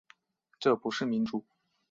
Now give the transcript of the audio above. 这不是民主